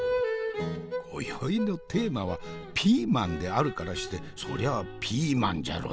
今宵のテーマは「ピーマン」であるからしてそりゃピーマンじゃろうて。